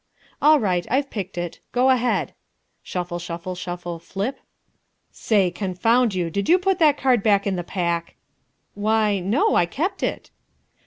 "All right. I've picked it. Go ahead." (Shuffle, shuffle, shuffle flip.) "Say, confound you, did you put that card back in the pack?" "Why, no. I kept it."